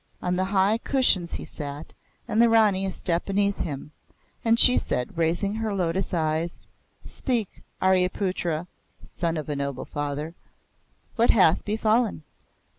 On the high cushions he sat, and the Rani a step beneath him; and she said, raising her lotus eyes: "Speak, Aryaputra, (son of a noble father) what hath befallen?"